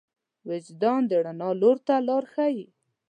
وجدان د رڼا لور ته لار ښيي.